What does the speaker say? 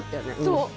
そう。